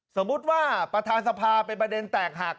สมมุติว่าประธานสภาเป็นประเด็นแตกหัก